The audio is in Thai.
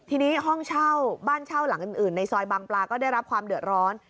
ทีนี้ห้องเช่าบ้านเช่าหลังอื่นในซอยบางปลาก็ได้รับความเดือดร้อน